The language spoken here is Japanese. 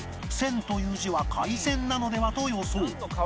「」という字は海鮮なのではと予想